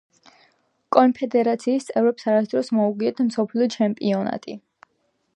კონფედერაციის წევრებს არასდროს მოუგიათ მსოფლიო ჩემპიონატი.